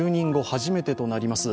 初めてとなります